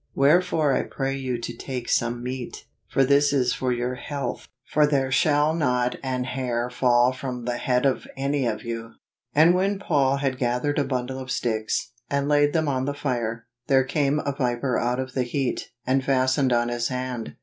" Wherefore I pray you to take some meat: for this is for your health : for there shall not an hair fall from the head of any of you." " And when Paul had gathered a bundle of sticks , and laid them on the fire, their came a viper out of the heat, and fastened on his hand.